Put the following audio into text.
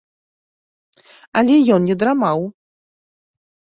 Але ён не драмаў.